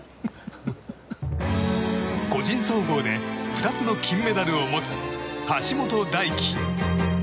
個人総合で２つの金メダルを持つ橋本大輝。